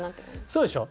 そうでしょ？